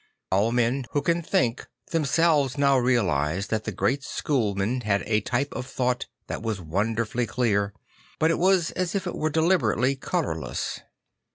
All men who can think themselves now realise that the great schoolmen had a type of thought that was wonderfully clear; but it was as it were deliberately colourless.